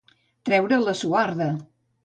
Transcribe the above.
Treure la suarda.